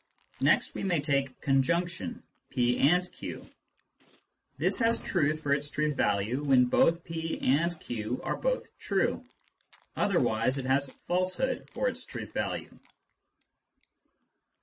Next we may take conjunction, " p and q." This has truth for its truth value when p and q are both true ; otherwise it has falsehood for its truth value.